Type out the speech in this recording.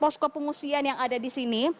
posko pengungsian yang ada di sini